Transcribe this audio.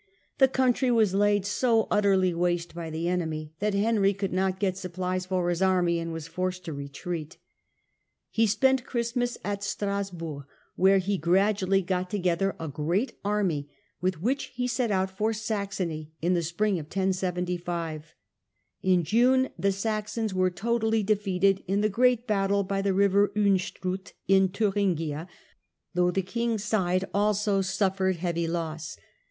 The country was laid so utterly waste by the enemy that Henry could not get supplies for his army, and was forced to retreat. He spent Christmas at Strasburg, where he gradu ally got together a large army, with which he set out for Saxony, in the spring of 1075. In June the Saxons were totally defeated in a great battle by the river Unstrut in Thuringia, though the king's side also suffered heavy loss.